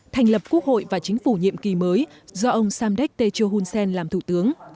thành lập quốc hội và chính phủ nhiệm kỳ mới do ông samdek techo hunsen làm thủ tướng